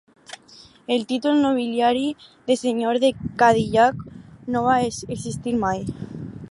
El títol nobiliari de senyor de Cadillac no va existir mai.